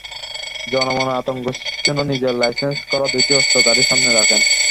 জনমনে আতঙ্ক সৃষ্টির জন্য নিজের লাইসেন্স করা দুটি অস্ত্র গাড়ির সামনে রাখেন।